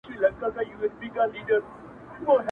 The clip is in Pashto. اشنا کوچ وکړ کوچي سو زه یې پرېښودم یوازي،